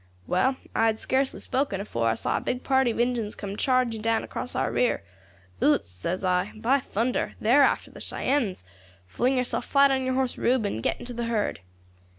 "Well, I had scarcely spoken afore I saw a big party of Injins come charging down across our rear. 'Utes,' says I, 'by thunder! They are after the Cheyennes! Fling yourself flat on your horse, Rube, and get into the herd.'